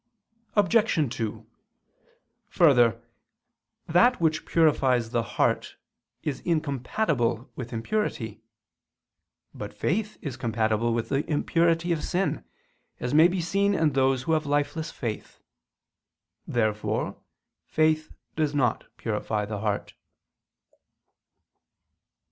Obj. 2: Further, that which purifies the heart is incompatible with impurity. But faith is compatible with the impurity of sin, as may be seen in those who have lifeless faith. Therefore faith does not purify the heart.